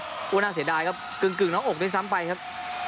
คือว่าน่าเสียดายครับกึ่งน้องอกได้ซ้ำไปครับ